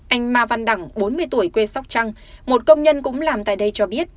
anh ma văn đẳng bốn mươi tuổi quê sóc trăng một công nhân cũng làm tại đây cho biết